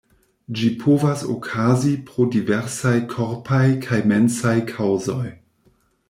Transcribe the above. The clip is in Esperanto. Ĝi povas okazi pro diversaj korpaj kaj mensaj kaŭzoj.